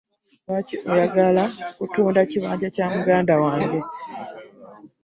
Lwaki oyagala kutunda kibanja kya muganda wange?